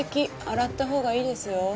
洗ったほうがいいですよ。